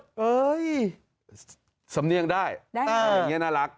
เอ้ยสำเนียงได้อย่างนี้น่ารัก